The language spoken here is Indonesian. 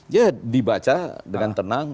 ya dibaca dengan tenang